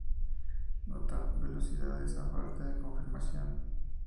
Nota: Velocidades a falta de confirmación.